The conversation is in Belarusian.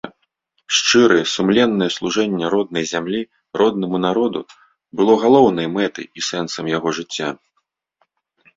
Шчырае, сумленнае служэнне роднай зямлі, роднаму народу было галоўнай мэтай і сэнсам яго жыцця.